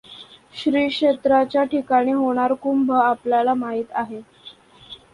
श्री क्षेत्राच्या ठिकाणी होणार कुंभ आपल्ल्याला माहीत आहे.